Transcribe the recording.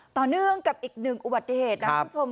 ต่อเนื่องกับอีกหนึ่งอุบัติเหตุนะคุณผู้ชม